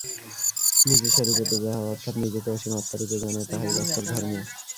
নিজে স্বরূপত যাহা, অর্থাৎ নিজেকে অসীম আত্মারূপে জান, তাহাই বাস্তব ধর্ম।